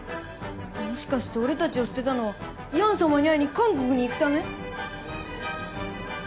もしかして俺たちを捨てたのはヤン様に会いに韓国に行くため？